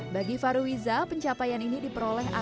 bagi farwiza pencapaian ini diperoleh atau tidak